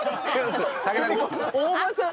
大場さん